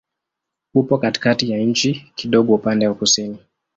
Upo katikati ya nchi, kidogo upande wa kusini.